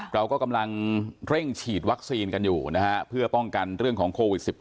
เราก็กำลังเร่งฉีดวัคซีนกันอยู่นะฮะเพื่อป้องกันเรื่องของโควิด๑๙